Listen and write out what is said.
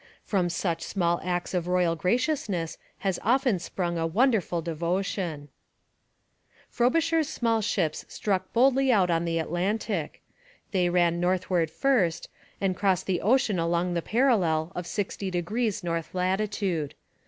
From such small acts of royal graciousness has often sprung a wonderful devotion. Frobisher's little ships struck boldly out on the Atlantic. They ran northward first, and crossed the ocean along the parallel of sixty degrees north latitude.